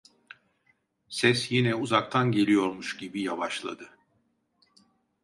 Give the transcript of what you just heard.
Ses yine uzaktan geliyormuş gibi yavaşladı: